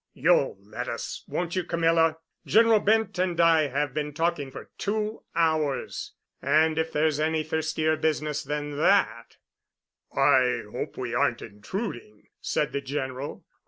You'll let us, won't you, Camilla? General Bent and I have been talking for two hours, and if there's any thirstier business than that——" "I hope we aren't intruding," said the General.